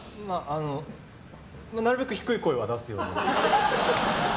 なるべく低い声は出すように。